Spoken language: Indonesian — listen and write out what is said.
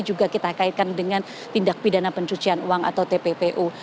juga kita kaitkan dengan tindak pidana pencucian uang atau tppu